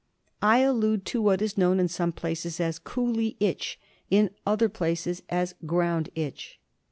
I allude to what is known in some places as " Coolie itch," in other places as " Ground itch."